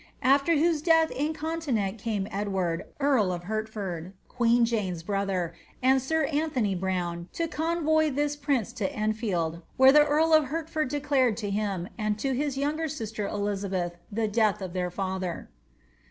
After whose death incontinent came Edward, earl of Hertford (queen Jaoe'i brother), and sir Antony Browne, to convoy this prince to Enfieldf where the earl of Hertford declared to him, and to his younger sister Elizabeth, the death of their father."